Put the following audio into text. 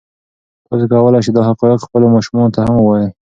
تاسو کولی شئ دا حقایق خپلو ماشومانو ته هم ووایئ.